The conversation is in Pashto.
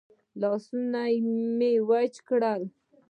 لاسونه مې وچ کړل.